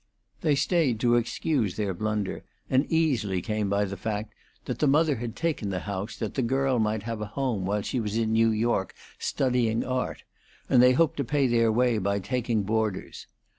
They stayed to excuse their blunder, and easily came by the fact that the mother had taken the house that the girl might have a home while she was in New York studying art, and they hoped to pay their way by taking boarders.